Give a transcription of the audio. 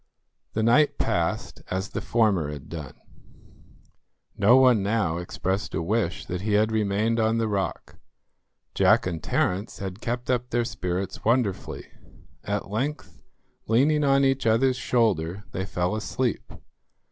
The night passed as the former had done. No one now expressed a wish that he had remained on the rock. Jack and Terence had kept up their spirits wonderfully. At length, leaning on each other's shoulder, they fell asleep.